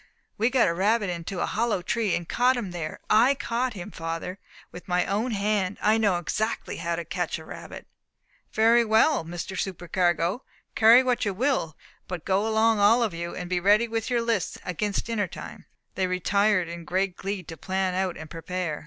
"We got a rabbit into a hollow tree, and caught him there. I caught him, father, with my own hand; I know exactly how to catch a rabbit." "Very well, Mr. Supercargo, carry what you will. But go along all of you, and be ready with your lists against dinner time." They retired in great glee to plan out and prepare.